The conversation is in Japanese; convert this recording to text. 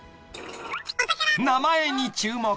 ［名前に注目］